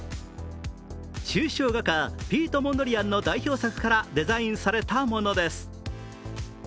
抽象画家、ピート・モンドリアンの代表作からデザインされたものです。